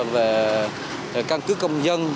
về căn cứ công dân